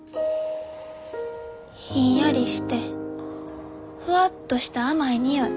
ひんやりしてふわっとした甘い匂い。